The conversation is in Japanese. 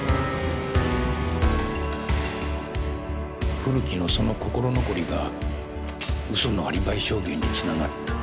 古木のその心残りが嘘のアリバイ証言につながる。